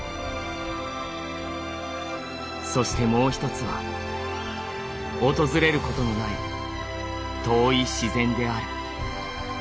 「そしてもう一つは訪れることのない遠い自然である。